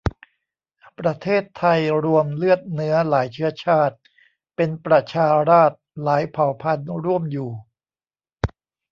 ประเทศไทย รวมเลือดเนื้อ หลายเชื้อชาติ เป็นประชาราษฏร์ หลายเผ่าพันธุ์ร่วมอยู่